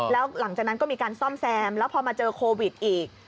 แล้วหลังจากนั้นก็มีการซ่อมแซมแล้วพอมาเจอโควิดอีก